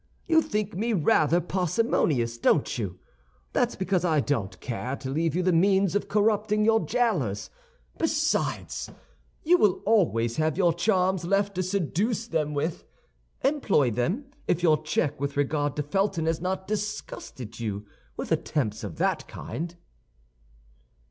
You think me rather parsimonious, don't you? That's because I don't care to leave you the means of corrupting your jailers. Besides, you will always have your charms left to seduce them with. Employ them, if your check with regard to Felton has not disgusted you with attempts of that kind."